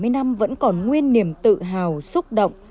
bảy mươi năm vẫn còn nguyên niềm tự hào xúc động